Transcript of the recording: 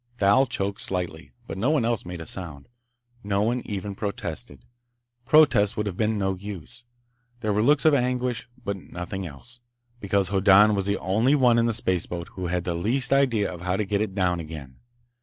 Thal choked slightly, but no one else made a sound. No one even protested. Protests would have been no use. There were looks of anguish, but nothing else, because Hoddan was the only one in the spaceboat who had the least idea of how to get it down again.